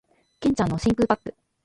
剣ちゃんの真空パック